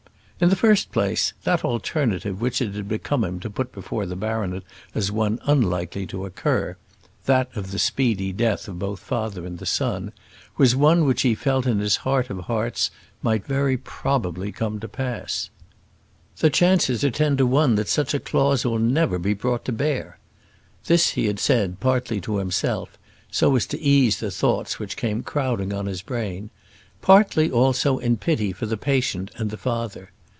In the first place, that alternative which it had become him to put before the baronet as one unlikely to occur that of the speedy death of both father and son was one which he felt in his heart of hearts might very probably come to pass. "The chances are ten to one that such a clause will never be brought to bear." This he had said partly to himself, so as to ease the thoughts which came crowding on his brain; partly, also, in pity for the patient and the father.